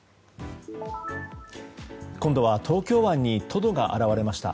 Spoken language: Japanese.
今度は東京湾にトドが現れました。